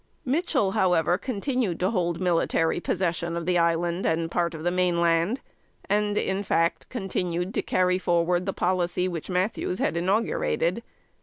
Mitchell, however, continued to hold military possession of the island and part of the main land, and, in fact, continued to carry forward the policy which Mathews had inaugurated.